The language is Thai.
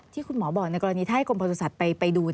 ที่คุณหมอบอกในกรณีถ้าให้กรมประสุทธิ์ไปดู